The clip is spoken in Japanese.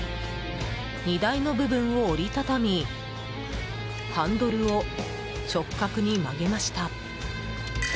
荷台の部分を折り畳みハンドルを直角に曲げました。